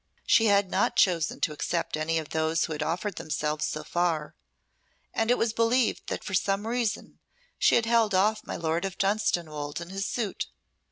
She had not chosen to accept any of those who had offered themselves so far, and it was believed that for some reason she had held off my lord of Dunstanwolde in his suit.